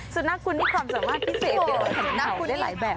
สุนัขคุณมีความสามารถพิเศษเห็นเขาได้หลายแบบ